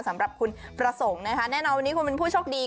สำหรับคุณประสงค์นะคะแน่นอนวันนี้คุณเป็นผู้โชคดี